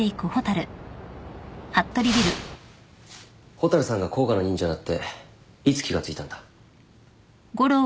蛍さんが甲賀の忍者だっていつ気が付いたんだ？